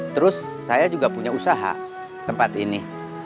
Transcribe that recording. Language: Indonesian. terus saya juga punya usaha tempat ini